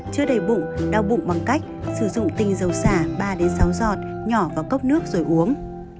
chưa đầy bụng đau bụng bằng cách sử dụng tinh dầu xả ba sáu giọt nhỏ vào cốc nước rồi uống